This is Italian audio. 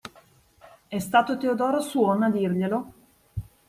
È stato Teodoro Swan a dirglielo?